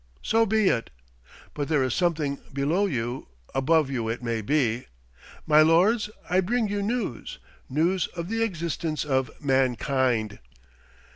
So be it. But there is something below you above you, it may be. My lords, I bring you news news of the existence of mankind."